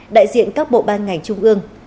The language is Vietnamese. đại diện các bộ ban ngành trung ương